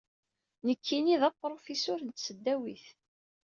Nekkini d apṛufisur n tesdawit.